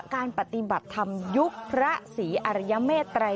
การปฏิบัติธรรมยุคพระศรีอริยเมตรัย